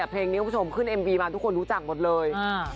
เพลงนี้คุณผู้ชมขึ้นเอ็มวีมาทุกคนรู้จักหมดเลย